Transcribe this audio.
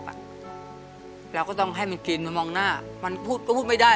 เราก็ต้องให้มันกินมันมองหน้ามันพูดก็พูดไม่ได้